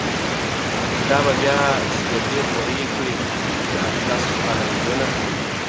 دا به بیا سپیدی خوری کړی، د اطلسو پا لنگونه